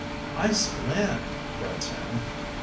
"I see land!" cried Sam.